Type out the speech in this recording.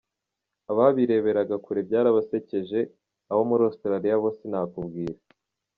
Ababireberaga kure byabasecyeje, abo muri Australia bo sinakubwira.